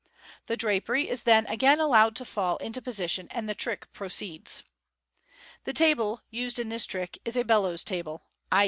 The drapery is then again allowed to fall into position, and the trick proceeds. The table used in this trick is a bellows table; ix.